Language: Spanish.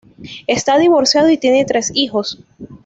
Está divorciado y tiene tres hijos.